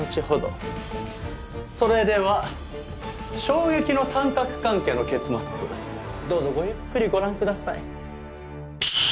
それでは衝撃の三角関係の結末どうぞごゆっくりご覧ください。